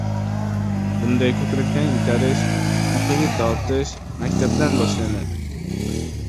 Bunday ko‘krakdan itarish, orqaga tortish, maktabdan boshlanadi.